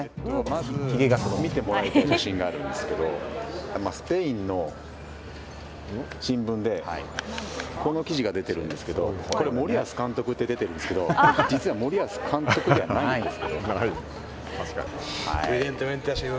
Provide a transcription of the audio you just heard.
まず見てもらいたい写真があるんですけど、スペインの新聞でこの記事が出ているんですけれども、これ、森保監督って出てるんですけど、実は森保監督ではないんですけど。